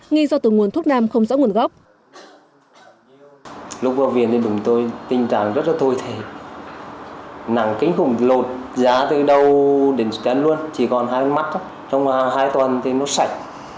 nghi do từ nguồn thuốc nam không rõ nguồn gốc